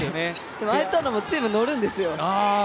でも、ああいったのもチーム乗るんですよ。